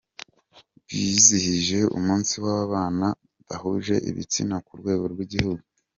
Bizihije umunsi w’ababana bahuje ibitsina ku rwego rw’ igihugu